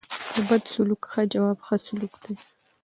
د بدو سلوکو ښه جواب؛ ښه سلوک دئ.